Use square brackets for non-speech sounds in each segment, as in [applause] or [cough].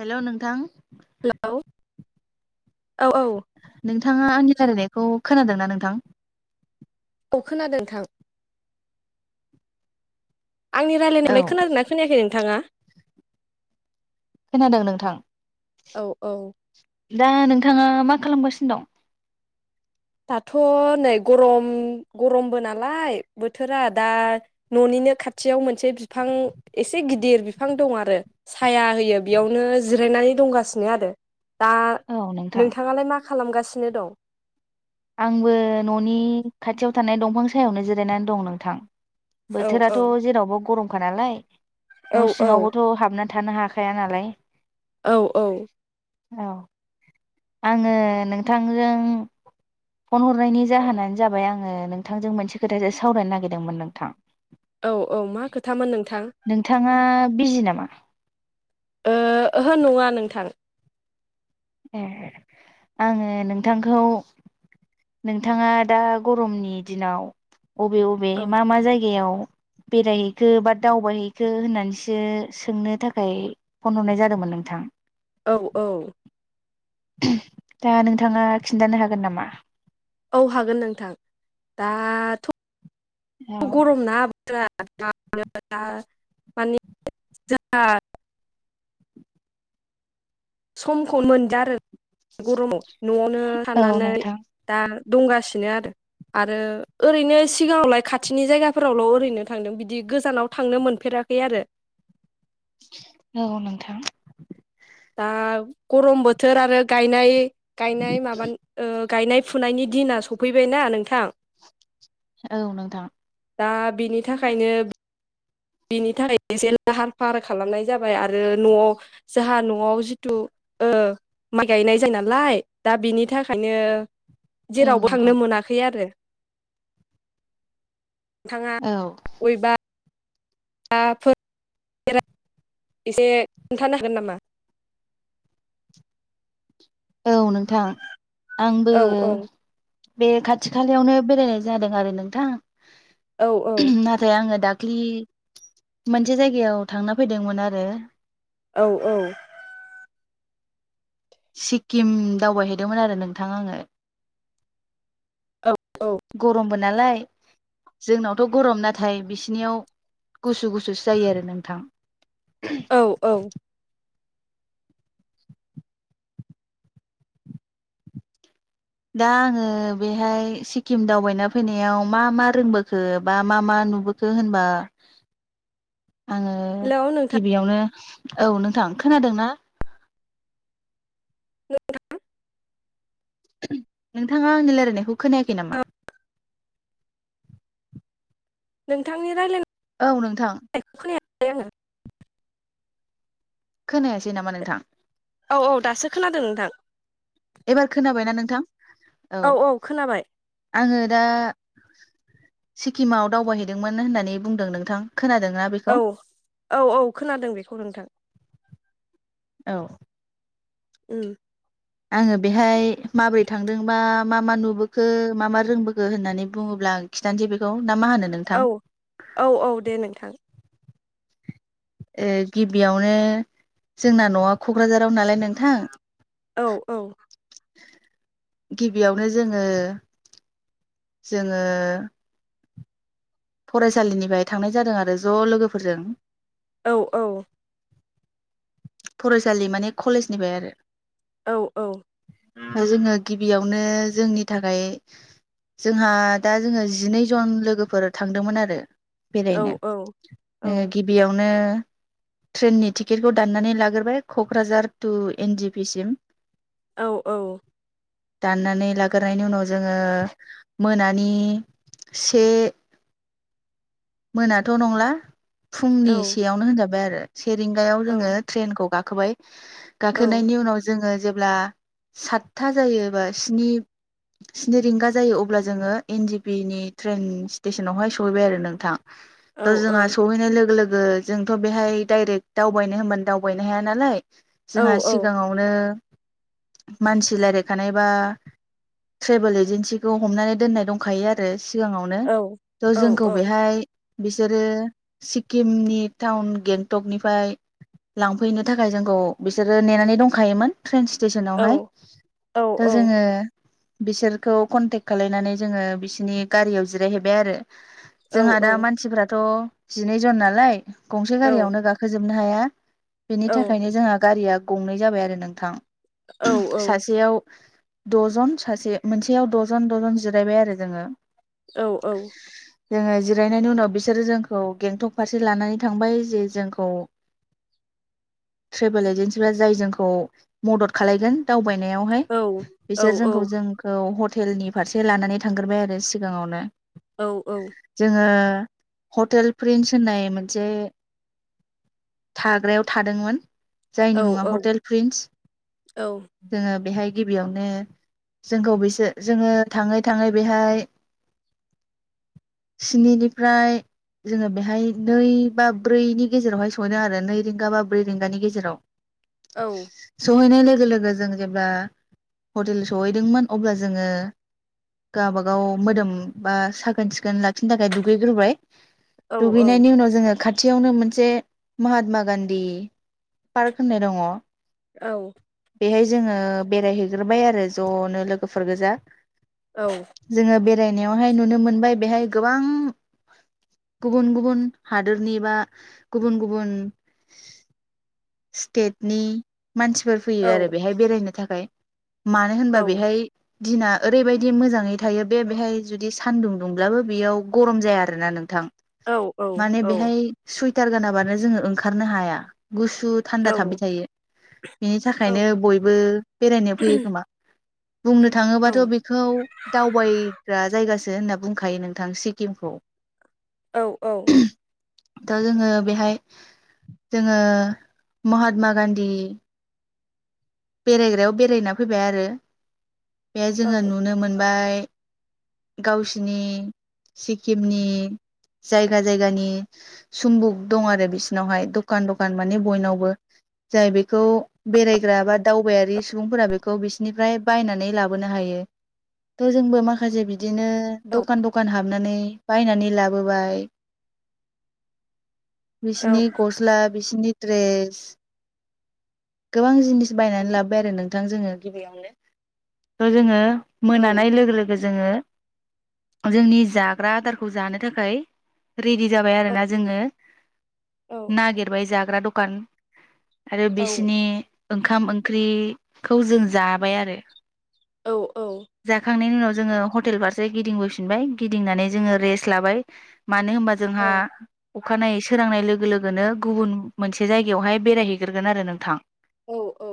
हेल' नोंथां औ औ औ। नोंथाङा आंनि रायलायनायखौ खोनादोंना नोंथां? औ खोनादों थां। आंनि औ रायलायनायखौलाय खोनादोंना खोनायाखै नोंथाङा? खोनादों नोंथां। औ औ दा नोंथाङा मा खालामगासिनो दं? दाथ' नै गरम गरमबो नालाय बोथोरा दा न'निनो खाथियाव मोनसे बिफां एसे गिदिर बिफां दं आरो साया होयो बेयावनो जिरायनानै दंगासिनो आरो। दा औ नोंथां नोंथाङालाय मा खालामगासि नो दं। आंबो न'नि खाथियाव थानाय दंफां सायावनो जिरायनानै दं नोंथां। औ औ बोथोराथ' जेरावबो गरम खा नालाय। औ न' सिङावबोथ' हाबना थानो हाखाया नालाय। औ औ। औ आङो नोंथांजों। फन हरनायनि जाहोनानो जाबाय आङो नोंथांजों मोनसे खोथाजों सावरायनो नागिरदोंमोन नोंथां। औ औ मा खोथामोन नोंथां? नोंथाङा बिजि नामा? ओ-ओहो नङा नोंथां। एह आङो नोंथांखौ। नोंथाङा दा गरमनि दिनाव। अबे अबे औ मा मा जायगायाव? बेरायहैखो बा दावबायहैखो होननानैसो सोंनो थाखाय फन हरनाय जादोंमोन नोंथां। औ औ। दा नोंथाङा खिन्थानो हागोन नामा? औ हागोन नोंथां दाथ' औ गरम ना बोथोरा। [unintelligible] मानि जोंहा समखौनो मोनदिया आरो गरमाव न'आवनो औ थानानै नोंथां दा दंगासिनो आरो आरो ओरैनो सिगांङावलाय खाथिनि जायगाफोरावल' ओरैनो थांदों बिदि गोजानाव थांनो मोनफेराखै आरो औ नोंथां। दा गरम बोथोर आरो गायनाय गायनाय माबान ओ गायनाय फुनायनि दिना सफैबायना नोंथां औ नोंथां। दा बिनि थाखायनो बिनि थाखाय एसे लाहार फाहार खालामनाय जाबाय आरो न'आव जाहा न'आव जिथु ओ माइ गायनाय जायो नालाय दा बिनि थाखायनो औ जेरावबो थांनो नोंथां मोनाखै आरो। नोंथांङा औ अवेबा [unintelligible] एसे खोन्थानो हागोन नामा? औ नोंथां आंबो औ बे खाथि खालायावनो बेरायनाय जादों आरो नोंथां औ नाथाय आंङो दा ख्लि मोनसे जायगायाव थांना फैदोंमोन आरो औ औ सिक्किम दावबायहैदोंमोन आरो नोंथां आंङो औ गरम बो नालाय जोंनावथ' गरम नाथाय बिसिनियाव गुसु गुसुसो जायो आरो नोंथां औ औ दा आंङो बेहाय सिक्किम दावबायना फैनायाव मा मा रोंबोखो बा मा मा नुबोखो होनबा आंङो हेलौ नोंथां गिबियावनो औ नोंथां खोनादों ना? [unintelligible] नोंथांङा आंनि लायरायनायखौ खोनायाखै नामा? नोंथांनि रायलायनाय औ नोंथां। खै आंङो खोनायासै नामा नोंथां? औ औ दासो खोनादों नोंथां एबार खोनाबायना नोंथां? औ आंङो दा सिक्किमाव दावबायहैदोंमोन होननानै बुंदों नोंथां। खोनादोंना बेखौ औ औ औ खोनादों बेखौ नोंथां। औ उम आङो बेहाय माबोरै थांदोंबा मा मा नुबोखो मा मा रोंबोखो होननानै बुङोब्ला आं खिसथानोसै बेखौ ना मा होनो नोंथां औ औ औ दे नोंथां ए गिबियावनो जोंना न'आ क'क्राझाराव नालाय नोंथां औ औ गिबियावनो जोङो जोङो फरायसालिनिफ्राय थांनाय जादों आरो ज' लोगोफोरजों औ औ फरायसालि माने कलेजनिफ्राय आरो औ औ जोङो गिबियावनो जोंनि थाखाय जोंहा दा जोङो जिनै जन लोगोफोर थांदोंमोन आरो बेरायनो ओ गिबियावनो ट्रेननि टिकेटखौ दनानै ला गोरबाय Kokrajhar to N G P सिम औ औ दाननानै लाग्रोनायनायनि उनाव जोङो मोनानि से मोनाथ' नंला फुंनि सेयावनो होनजाबाय आरो से रिंगायाव जोङो ट्रेनखौ गाखो खोबाय गाखोनायनि उनाव जोङो जे अब्ला सातथा जायो बा स्नि-स्नि रिंगा जायो अब्ला जोङो एन जिपि नि ट्रेन स्टेसनावहाय सहैबाय आरो नोंथां। द जोंहा सहैनाय लोगो-लो गो जोंथ' बेहाय डाइरेक्ट दावबायनो होमबानो दावबायनो हाया नालाय जोंहा सिगाङावनो मानसि लायराइ खानायबा ट्रेभेल एजेेनसिखौ हमनानै दोननाय दंखायो आरो सिगाङावनो त' जोंखौ बेहाय बिसोरो सिक्किमनि टाउन गेंटकनिफ्राय लांफैनो थाखाय जोंखौ बिसोरो नेनानै दंखायोमोन। ट्रेन स्टेसनावहाय त' जोङो बिसोरखौ कन्टेक्ट खालायनानै जोङो बिसोरनि गारियाव जिरायहैबाय आरो औ औ फोराथ' जिनै जन नालाय गंसे गारियावनो गाखोजोबनो हाया बेनि थाखायनो जोंहा गारिया गंनै जाबाय आरो नोंथां। सासेयाव द'जन सासे मोनसेयाव दजन दजन जिरायबाय आरो जोङो औ औ। जोङो जिरायनायनि उनाव बिसोरो जोंखौ गेंटक फारसे लानानै थांबाय जे जोंखौ ट्रेभेल एजेेनसिफ्रा जाय जोंखौ मदद खालायगोन दावबाय नायावहाय बिसोर जोंखौ जोंखौ हर हटेलनि फारसे लानानै थांगोरबाय आरो सिगाङावनो औ औ जोङो हटेल प्रिन्स होननाय मोनसे थाग्रायाव थादोंमोन । जायनि मुङा हटेल प्रिन्स जोङो बेहाय गिबियावनो जोंखौ बिसोर जोङो थाङै थाङै बेहाय स्निनि फ्राय जोङो बेहाय नै बा ब्रैनि गेजेरावहाय सहैदों आरो नै रिंगा बा ब्रै रिंगानि गेजेराव । सहैनायालाय लोगो लोगो जों जेब्ला हटेल सहैदोंमोन अब्ला जोङो गाबा गाव मोदोम बा साखोन सिखोन लाखिनो थाखाय दु गैग्रोबाय। दुगैनायनि उनाव जोङो खाथि थियावनो मोनसे महात्मा गान्धी पार्क होननाय दङ। औ बेहाय जोङो बेरायहैग्रोबाय आरो ज'नो लोगोफोर गोजा। जोङो बे बेरायनायावहाय नुनो मोनबाय बेहाय गोबां गुबुन गुबुन हादोरनि बा गुबुन गुबुन सि स्टेटनि मानसिफोर फैयो आरो बेहाय बेरायनो थाखाय। फाय । मानो होनबा बेहाय दिना ओरैबायदि मोजाङै थायो बे बेहाय जुदि सानदुं दुंब्लाबो बेयाव गरम जाया आरोना नोंथां। माने बेहाय सुइ टार गानाबानो जोङो ओंखारनो हाया। गुसु थान्दा थाबाय थायो। बिनि थाखायनो बयबो बेरायनो फैयो खोमा । बुंनो थाङोबाथ' बेखौ दावबायग्रा जायगासि होनना बुंखायो नोंथां सिक्किमखौ दा जोङो बेहाय जोङो महात्मा गान्धी बेरायग्रायाव बेरायना फैबाय आरो बे जोङो नुनो मोनबाय गावसिनि सिक्किमनि जायगा जायगानि सुम्बुक दं आरो बिसिनावहाय दखान दखान माने बयनावबो जाय बेखौ बेरायग्रा बा दावबायारि सुबुंफोरा बेखौ बिसोरनिफ्राय बायनानै लाबोनो हायो थ' जोंबो माखासे बि दिनो दखान दखान हाबनानै बायनानै लाब बोबाइ बिसिनि गस्ला बिसनि द्रेस गोबां जिनिस बायनानै लाबोबाय आरो नोंथां जोङो गिबियावनो थ' जोङो मोनानाय लोगो लोगो जोङो जोंनि जाग्रा आदारखौ जानो थाखाय रेडि जाबाय आरो ना जोङो नागिरबाय जाग्रा दख कान आरो बिस नि ओंखाम ओंख्रिखौ जों जाबाय आरो औ औ जाखांनायनि उनाव जोङो हटेल फारसे गिदिंबोफिनबाय गिदिंनानै जोङो रेस्ट लाबाय। मानो होनबा जोंहा अखानायै सोरांनाय लोगो लोगोनो गुबुन मोनसे जायगायावहाय बेरायहैग्रोगोन आरो नों थां। औ औ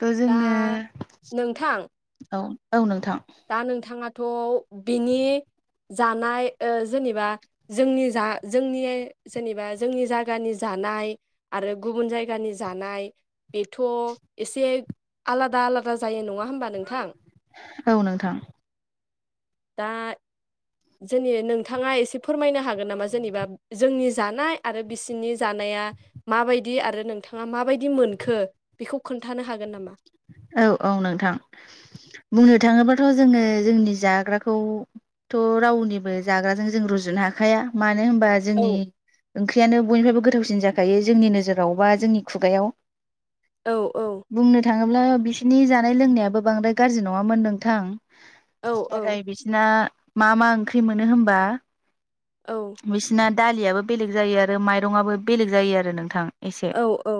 थ' दा जोंनो नोंथां औ औ नोंथां दा नोंथाङा थ' बिनि जानाय ओ जेनेबा जोंनि जा जोंनि जेनेबा जोंनि जागानि जानाय आरो गुबुन जायगानि जानाय बेथ' एसे आलादा आलादा जायो नङा होमबा नोंथां? औ नोंथां दा जेने नोंथाङा एसे फोरमायनो हागोन नामा जेनेबा जोंनि जानाय आरो बिसिनि जानाया माबायदि आरो नोंथाङा माबायदि मोनखो बेखौ खोन्थानो हागोन नामा? औ औ नोंथां बुंनो थाङोबाथ' जोङो जोंनि जाग्राखौथ' रावनिबो जाग्राजों जों रुजुनो हाखाया मा नो होनबा औ जोंनि ओंख्रियानो बयनिफ्रायबो गोथावसिन जाखायो जोंनि नोजोराव बा जोंनि खुगायाव औ औ बुंनो थाङोब्ला बिसोरनि जानाय लोंनायाबो बांद्राय गाज्रि नङामोन नोंथां। औ नाथाय औ बिसना मा मा ओंख्रि मोनो होनबा औ बिसना दालियाबो बेलेग जायो आरो माइरंआबो बेलेग जायो आरो नोंथां एसे औ औ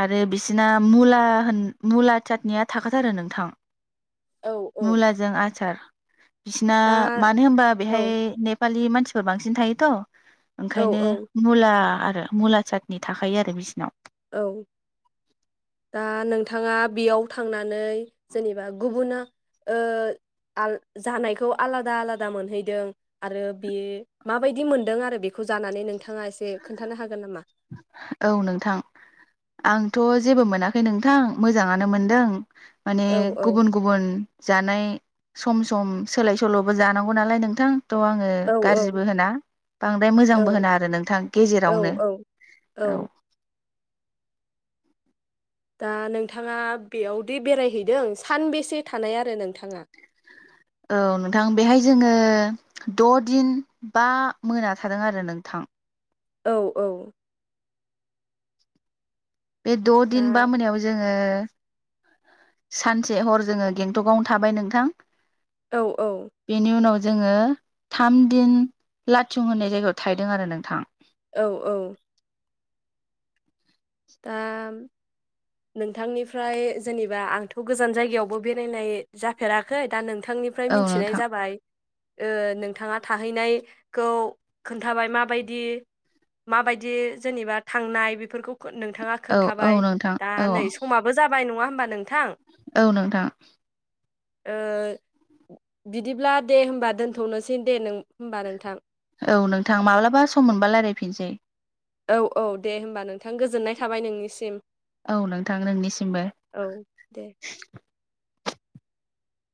आरो बिसिना मुला होन मुला थातनिया थाखाथारो नोंथां औ औ मुलाजों आसार बिसिना दा मानो होनबा औ बेहाय नेपालि मान सिफोर बांसिन थायोथ' औ ओंखायनो औ मुला आर आरो मुला सादनि थाखायो आरो बिसिनाव औ दा नोंथाङा बेयाव थांनानै जेनेबा गुबुुन आ जानायखौ आलादा आलादा मोनहैदों आरो बे माबायदि मोनदों आरो बेखौ जानानै नोंथाङा एसे खोन्थानो हागोन नामा। औ नोंथां आंथ' जेबो मोनाखै नोंथां मोजाङानो मोनदों। माने औ औ गुबुन गुबुन जानाय सम सम सोलाय सोल'बो जानांगौ नालाय नोंथां थ' आङो औ गाज्रिबो होना बांद्राय मोजांबो औ होना आरो नोंथां औ गेजेरावनो। औ औ दा नोंथाङा बेयावदि बेरायहैदों सानबेसे थानाय आरो नोंथाङा। औ नोंथां बेहाय जोङो द'दिन बा मोना थादों आरो नोंथां औ औ बे दा द'दिन बा मोनायाव जोङो सानसे हर जोङो गेंटकआवनों थाबाय नोंथां औ औ बेनि उनाव जोङो थाम दिन लाथिं होननाय जायगायाव थाहैदों आरो नोंथां। औ औ ओ नोंथांनिफ्राय जेनेबा आंथ' गोजान जायगायावबो बेरायनाय जाफेराखै दा नों नोंथांनिफ्राय औ मिथिनाय नोंथां जाबाय। ओ नोंथाङा थाहैनायखौ खोन्थाबाय माबायदि माबायदि जेनेबा थांनाय बेफोरखौ नोंथाङा औ औ खोन्थाबाय नोंथां दा औ नै समाबो जाबाय नङाहोम होमबा नोंथां औ नोंथां ओ बिदिब्ला दे होनबा दोनथ'नोसै दे होमबा नोंथां औ नोंथां माब्लाबा सम मोनबा रायलायफिनसै। औ औ दे होमबा नोंथां गोजोननाय थाबाय नोंनिसिम औ नोंथां नोंनिसिमबो औ दे